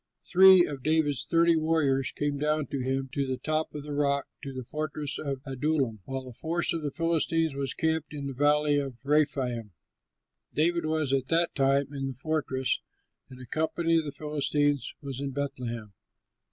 Three of David's thirty warriors went down to him to the top of the rock, to the fortress of Adullam, while a force of the Philistines was camped in the Valley of Rephaim. David was at that time in the fortress, and a company of the Philistines was in Bethlehem.